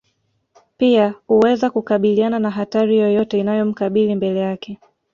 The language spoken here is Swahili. pia uweza kukabiliana na hatari yoyote inayomkabili mbele yake